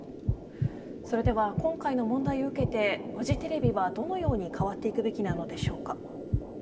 今回の問題を受けてフジテレビはどのように変わっていくべきなのでしょうか。